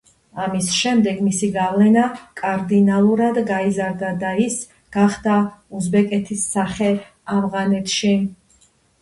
ამის შემდეგ მისი გავლენა კარდინალურად გაიზარდა და ის გახდა უზბეკების სახე ავღანეთში.